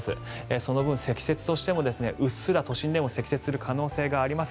その分積雪としてもうっすら都心でも積雪する可能性があります。